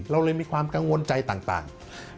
เราเลยมีความกังวลใจต่าง